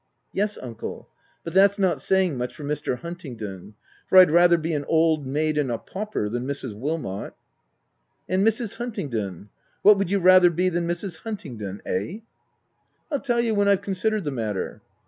Yes uncle ; but that's not saying much for Mr. Huntingdon, for I'd rather be an old maid and a pauper, than Mrs. Wilmot." "And Mrs. Huntingdon? What would you rather be than Mrs. Huntingdon ? eh?" " Pll tell you when I've considered the mat ter."